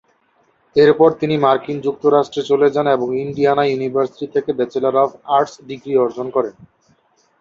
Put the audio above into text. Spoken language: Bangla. এরপর তিনি মার্কিন যুক্তরাষ্ট্রে চলে যান এবং ইন্ডিয়ানা ইউনিভার্সিটি থেকে ব্যাচেলর অফ আর্টস ডিগ্রি অর্জন করেন।